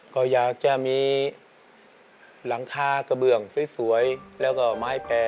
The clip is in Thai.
ก็อยากจะมีหลังคากระเบื้องสวยแล้วก็ไม้แปร